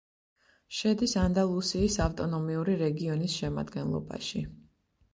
შედის ანდალუსიის ავტონომიური რეგიონის შემადგენლობაში.